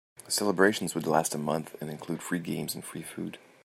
The celebrations would last a month and include free games and free food.